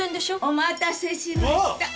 お待たせしました。